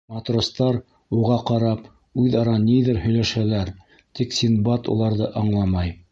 Матростар, уға ҡарап, үҙ-ара ниҙер һөйләшәләр, тик Синдбад уларҙы аңламай.